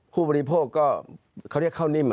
ผู้บริโภคก็เขาเรียกข้าวนิ่ม